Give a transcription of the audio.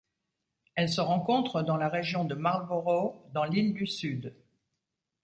Elle se rencontre dans la région de Marlborough dans l'île du Sud.